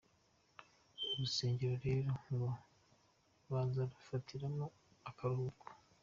Uru rusengero rero ngo baza kufatiramo akaruhuko.